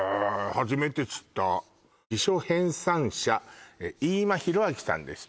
初めて知った辞書編さん者飯間浩明さんです